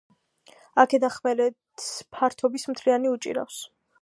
აქედან ხმელეთს ფართობის მთლიანი უჭირავს.